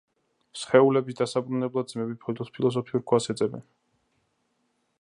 სხეულების დასაბრუნებლად ძმები ფილოსოფიურ ქვას ეძებენ.